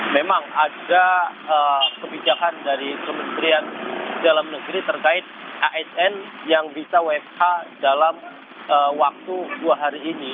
memang ada kebijakan dari kementerian dalam negeri terkait asn yang bisa wfh dalam waktu dua hari ini